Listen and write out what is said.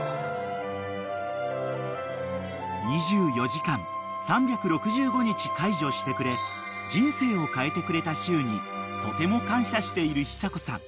［２４時間３６５日介助してくれ人生を変えてくれたしゅうにとても感謝している久子さん］